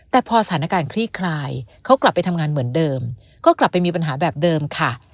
แต่พอสถานการณ์คลี่คลายเขากลับไปทำงานเหมือนเดิมก็กลับไปมีปัญหาแบบเดิมค่ะ